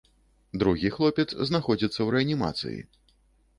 Другі хлопец знаходзіцца ў рэанімацыі.